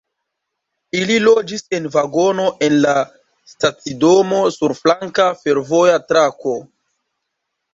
Ili loĝis en vagono en la stacidomo sur flanka fervoja trako.